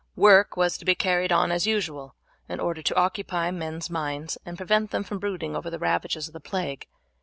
Work was to be carried on as usual in order to occupy men's minds and prevent them from brooding over the ravages of the plague.